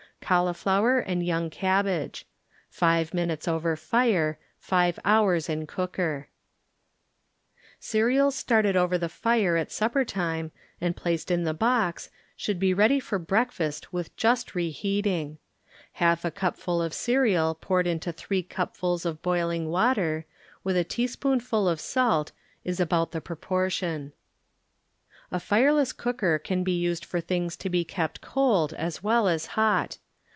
Cauliflower and Young Cabbage Five minutes over fire, five hours in Cereals started over the fire at sup per time and placed in the box should be ready for breakfast with just re heating. Half a cupful of cereal poured into three cupfuls of boiling water, with a teaspoonfu! of salt is about the pro portion. A fireless cooker can be used for things to be kept cold as well as hot.